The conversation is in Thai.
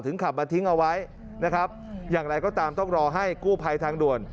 ขับมาทิ้งเอาไว้นะครับอย่างไรก็ตามต้องรอให้กู้ภัยทางด่วน